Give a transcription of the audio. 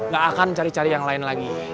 gak akan cari cari yang lain lagi